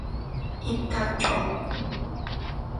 입 닥쳐!